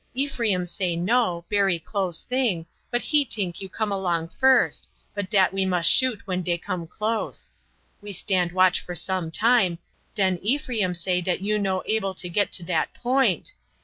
Ephraim say no, bery close thing, but he tink you come along first, but dat we must shoot when dey come close. We stand watch for some time, den Ephraim say dat you no able to get to dat point.